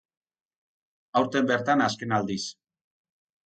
Aurten bertan azken aldiz.